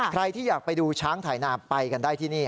ใครที่อยากไปดูช้างถ่ายนาไปกันได้ที่นี่